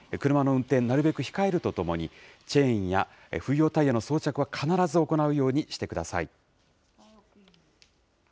車の運転、なるべく控えるとともに、チェーンや冬用タイヤの装着は必ず行うようにしてください。